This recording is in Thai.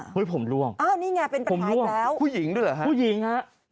เฮ้ยผมร่วงผมร่วงผู้หญิงด้วยเหรอครับนี่ไงเป็นประถามอีกแล้ว